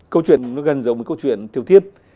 câu chuyện nó gần giống một câu chuyện triều thiết